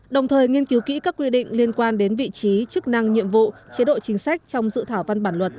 đồng thời nghiên cứu kỹ các quy định liên quan đến vị trí chức năng nhiệm vụ chế độ chính sách trong dự thảo văn bản luật